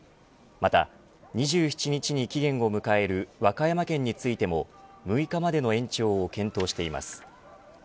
また、２７日に期限を迎える和歌山県についても６日までの延長を検討しています。